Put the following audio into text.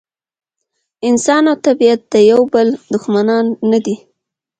انسان او طبیعت د یو بل دښمنان نه دي.